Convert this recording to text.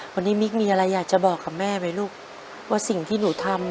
วันนี้มิ๊กมีอะไรอยากจะบอกกับแม่ไหมลูกว่าสิ่งที่หนูทำ